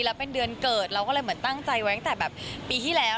แล้วเป็นเดือนเกิดเราก็เลยตั้งใจไว้เองแต่ปีที่แล้ว